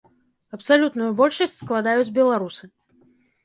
Абсалютную большасць складаюць беларусы.